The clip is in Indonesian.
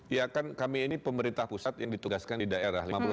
ya kan kami ini pemerintah pusat yang ditugaskan di daerah